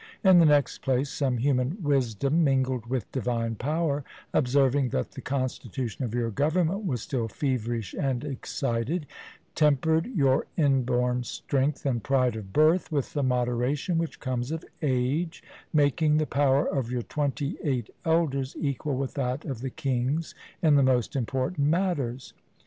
In the next place, some human wisdom mingled with divine power, observing that the constitution of your government was still feverish and excited, tempered your inborn strength and pride of birth with the moderation which comes of age, making the power of your twenty eight elders equal with that of the kings in the most important matters.